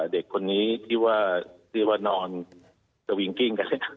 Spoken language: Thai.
เด็กคนนี้ที่ว่านอนจะวิ่งกิ้งกัน